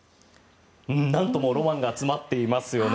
なんともロマンが詰まっていますよね。